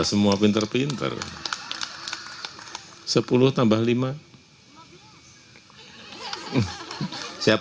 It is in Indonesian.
dua tambah lima